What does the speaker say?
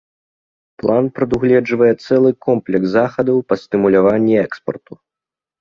План прадугледжвае цэлы комплекс захадаў па стымуляванні экспарту.